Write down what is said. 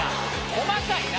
細かいな。